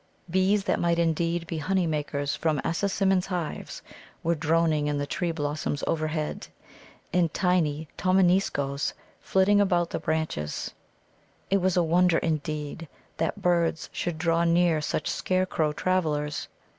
Bees, that might, indeed, be honey makers from Assasimmon's hives, were droning in the tree blossoms overhead, and tiny Tominiscoes flitting among the branches. It was a wonder, indeed, that birds should draw near such scarecrow travellers.